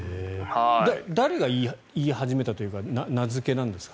誰が言い始めたというか名付けなんですか？